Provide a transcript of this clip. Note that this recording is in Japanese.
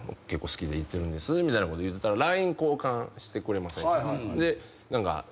「結構好きで行ってるんです」みたいなこと言うてたら「ＬＩＮＥ交換してくれませんか？」